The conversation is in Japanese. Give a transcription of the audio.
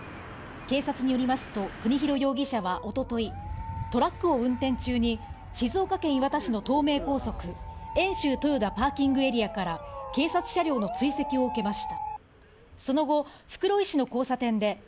警察によりますと、国広容疑者は一昨日トラックを運転中に静岡県磐田市の東名高速遠州豊田パーキングエリアから警察車両の追跡を受けました。